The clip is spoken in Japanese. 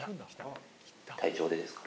体調でですか？